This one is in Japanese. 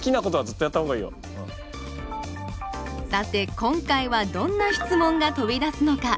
今回はどんな質問が飛び出すのか！？